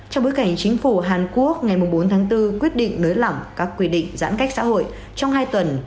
trong bối cảnh chính phủ hàn quốc ngày bốn tháng bốn quyết định nới lỏng các quy định giãn cách xã hội trong hai tuần